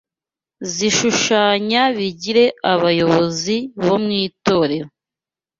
zishushanya bigire abayobozi bo mw’itorero